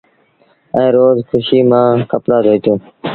ائيٚݩ روز کُوشيٚ مآݩ ڪپڙآ ڌوئيٚتو۔